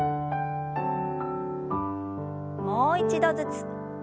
もう一度ずつ。